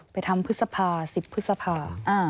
ไปทำภึกษภา๑๐ภึกษภา